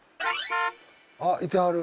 あっいてはる。